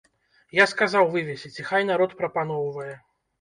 Я сказаў вывесіць, і хай народ прапаноўвае.